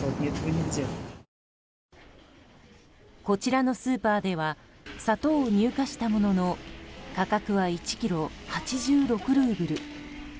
こちらのスーパーでは砂糖を入荷したものの価格は１ｋｇ、８６ルーブル。